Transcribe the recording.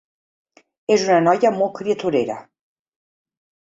És una noia molt criaturera.